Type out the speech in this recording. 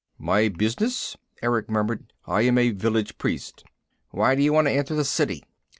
"My business?" Erick murmured. "I am a village priest." "Why do you want to enter the City?"